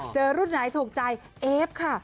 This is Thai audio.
เจอรุ่นไหนถูกใจเอฟค่ะ